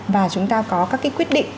và chúng ta có các cái quyết định